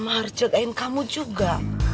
ma harus jagain kamu juga